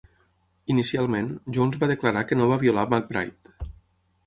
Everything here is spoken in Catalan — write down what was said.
Inicialment, Jones va declarar que no va violar McBride.